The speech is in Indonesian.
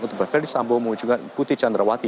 untuk ferdis sambu dan putri candrawati